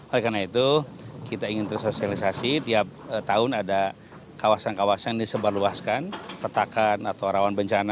oleh karena itu kita ingin tersosialisasi tiap tahun ada kawasan kawasan yang disebarluaskan petakan atau rawan bencana